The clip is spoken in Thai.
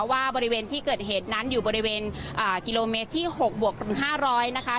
ว่าบริเวณที่เกิดเหตุนั้นอยู่บริเวณกิโลเมตรที่๖บวกเป็น๕๐๐นะคะ